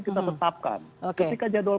kita tetapkan ketika jadwal